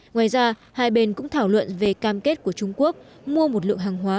ngoài ra hai bên cũng thảo luận về cam kết của trung quốc mua một lượng hàng hóa